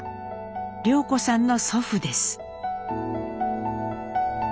涼子さんの祖父です。